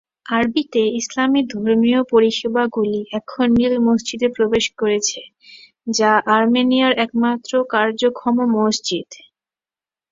আরবিতে ইসলামি ধর্মীয় পরিষেবাগুলি এখন নীল মসজিদে প্রবেশ করেছে, যা আর্মেনিয়ার একমাত্র কার্যক্ষম মসজিদ।